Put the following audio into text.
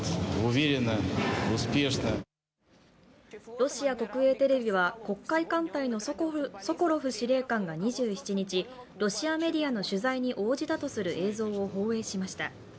ロシア国営テレビは黒海艦隊のソコロフ司令官が２７日、ロシアメディアの取材に応じたとする映像を放映しました。